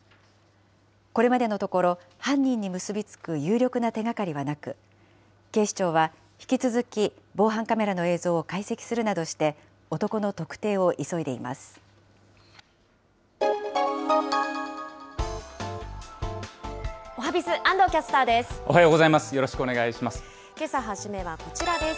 これまでのところ、犯人に結び付く有力な手がかりはなく、警視庁は引き続き防犯カメラの映像を解析するなどして、男の特定おはＢｉｚ、安藤キャスターです。